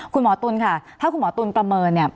คุณหมอตุ๋นค่ะถ้าคุณหมอตุ๋นประเมินเนี่ย